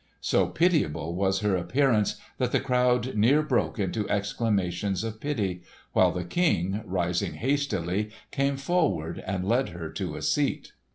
So pitiable was her appearance that the crowd near broke into exclamations of pity, while the King rising hastily came forward and led her to a seat.